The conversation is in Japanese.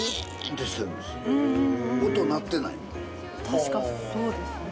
確かそうですね。